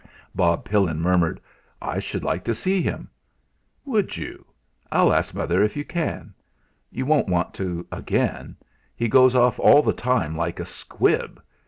Bob Pillin murmured: "I should like to see him." "Would you? I'll ask mother if you can. You won't want to again; he goes off all the time like a squib."